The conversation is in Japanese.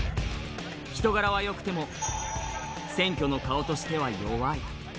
人柄はよくても、選挙の顔としては弱い？